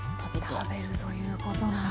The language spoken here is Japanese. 食べるということなんですね。